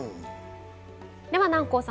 では南光さん